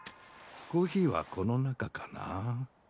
コーヒーはこの中かな？